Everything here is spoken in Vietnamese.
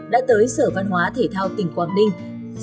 đã tới sở văn hóa thể thao tỉnh quảng ninh